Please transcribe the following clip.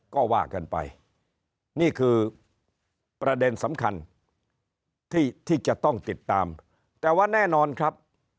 ก็ว่ากันไปนี่คือประเด็นสำคัญที่ที่จะต้องติดตามแต่ว่าแน่นอนครับ